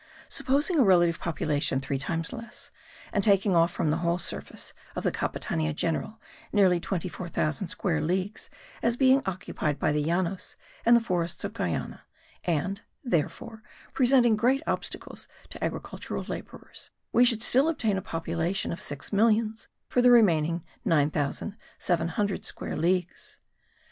Supposing a relative population three times less, and taking off from the whole surface of the Capitania General nearly 24,000 square leagues as being occupied by the Llanos and the forests of Guiana, and, therefore, presenting great obstacles to agricultural labourers, we should still obtain a population of six millions for the remaining 9700 square leagues.